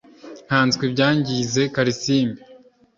Nkanswe ibyangize Kalisimbi?"